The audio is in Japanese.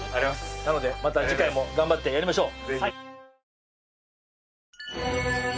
なのでまた次回も頑張ってやりましょう。